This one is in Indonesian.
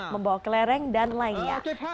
membawa kelereng dan lainnya